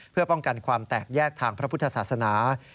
เพื่อป้องกันความแตกแยกทางพระพุทธศาสนา